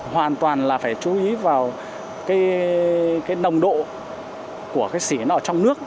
hoàn toàn là phải chú ý vào nồng độ của xỉ nó ở trong nước